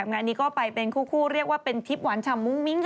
งานนี้ก็ไปเป็นคู่เรียกว่าเป็นทริปหวานฉ่ำมุ้งมิ้ง